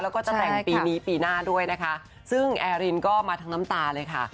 แล้วก็จะแต่งปีนี้ปีหน้าด้วยนะคะซึ่งแอร์รินก็มาทั้งน้ำตาเลยค่ะ